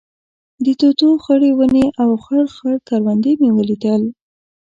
د توتو خړې ونې او خړ خړ کروندې مې لیدل.